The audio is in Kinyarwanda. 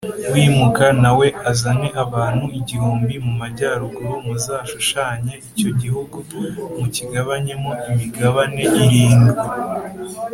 w i M ka na we azane abantu igihumbi mu majyaruguru j Muzashushanye icyo gihugu mukigabanyemo imigabane irindwi